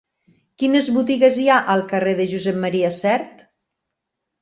Quines botigues hi ha al carrer de Josep M. Sert?